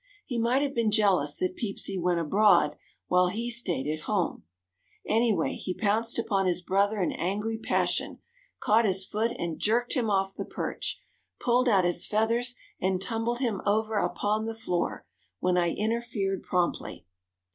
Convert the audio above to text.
He might have been jealous that Peepsy went abroad while he stayed at home; anyway, he pounced upon his brother in angry passion, caught his foot and jerked him off the perch, pulled out his feathers and tumbled him over upon the floor, when I interfered promptly.